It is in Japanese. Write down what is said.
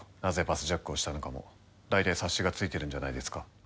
なぜバスジャックをしたのかもだいたい察しがついてるんじゃないですか？